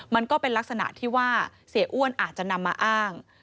มันก็เป็นลักษณะที่ว่าเสียอ้วนอาจจะนำมาอ้าง